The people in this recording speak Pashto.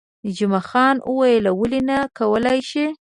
جمعه خان وویل، ولې نه، کولای شئ.